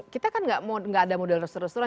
kita kan gak ada model resul resul